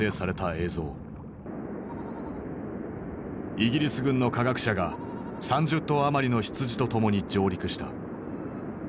イギリス軍の科学者が３０頭余りの羊と共に上陸した。